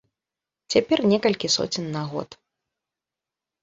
Цяпер некалькі соцень на год.